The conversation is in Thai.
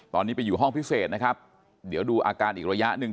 ตอนนี้ไปอยู่ห้องพิเศษนะครับเดี๋ยวดูอาการอีกระยะหนึ่ง